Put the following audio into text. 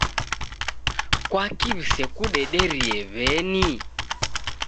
Kwaki w'isekudederie w'eni?